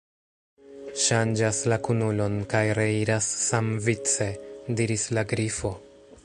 "Ŝanĝas la kunulon kaj reiras samvice," diris la Grifo.